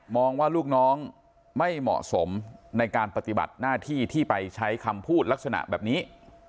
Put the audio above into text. ว่าลูกน้องไม่เหมาะสมในการปฏิบัติหน้าที่ที่ไปใช้คำพูดลักษณะแบบนี้